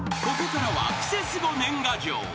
［ここからはクセスゴ年賀状］